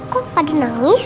kok padi nangis